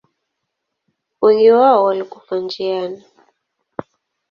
Wengi wao walikufa njiani.